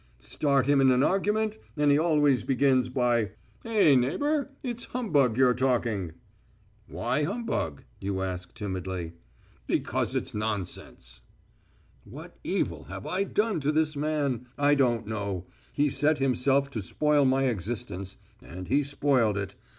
Start him in an argument, and he always begins by: "Eh, neighbour, it's humbug you're talking." "Why humbug?" you ask timidly. "Because it is nonsense." What evil have I done to this man? I don't know. He set himself to spoil my existence, and he spoiled it.